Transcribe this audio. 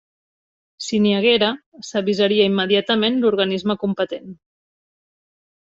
Si n'hi haguera, s'avisaria immediatament l'organisme competent.